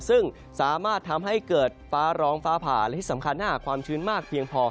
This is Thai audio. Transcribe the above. ซึ่งสามารถทำให้เกิดฟ้าร้องฟ้าผ่าและที่สำคัญถ้าหากความชื้นมากเพียงพอ